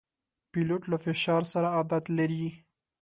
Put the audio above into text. پیلوټ له فشار سره عادت لري.